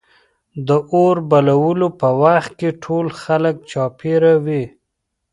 د اور بلولو په وخت کې ټول خلک چاپېره وي.